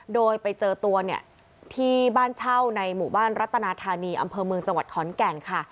โดยไปเจอตัวเนี่ยที่บ้านเช่าในหมู่บ้านรัตนาธานีอำเภอเมืองจังหวัดขอนแก่นค่ะ